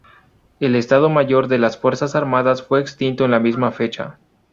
El Estado Mayor de las Fuerzas Armadas fue extinto en la misma fecha.